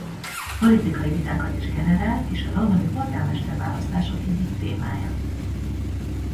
Politikai vitákat is generál és a londoni polgármester-választások egyik témája.